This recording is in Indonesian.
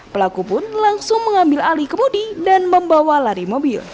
pelaku pun langsung mengambil alih kemudi dan membawa lari mobil